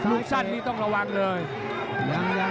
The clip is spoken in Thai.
สั้นนี่ต้องระวังเลย